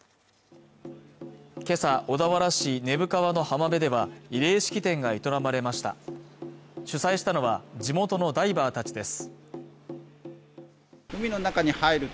今朝小田原市根府川の浜辺では慰霊式典が営まれました主催したのは地元のダイバーたちです